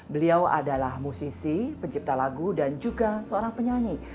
beliau adalah musisi pencipta lagu dan juga seorang penyanyi